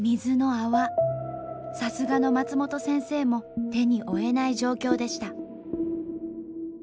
さすがの松本先生も手に負えない状況でした。